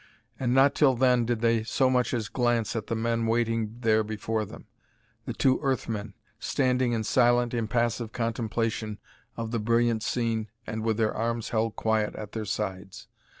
And not till then did they so much as glance at the men waiting there before them the two Earth men, standing in silent, impassive contemplation of the brilliant scene and with their arms held quiet at their sides.